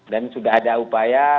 dan sudah ada upaya